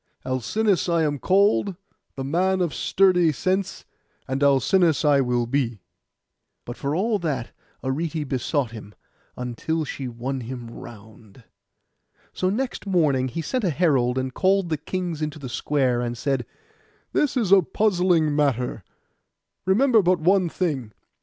Alcinous I am called, the man of sturdy sense; and Alcinous I will be.' But for all that Arete besought him, until she won him round. So next morning he sent a herald, and called the kings into the square, and said, 'This is a puzzling matter: remember but one thing.